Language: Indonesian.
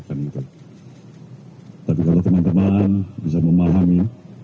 tapi kalau teman teman bisa memahami